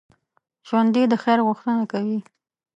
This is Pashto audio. ژوندي د خیر غوښتنه کوي